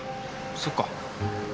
そっか。